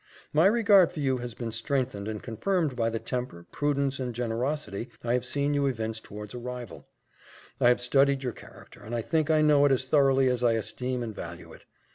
My regard for you has been strengthened and confirmed by the temper, prudence, and generosity, I have seen you evince towards a rival. I have studied your character, and I think I know it as thoroughly as I esteem and value it.